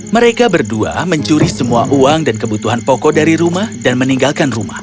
mereka berdua mencuri semua uang dan kebutuhan pokok dari rumah dan meninggalkan rumah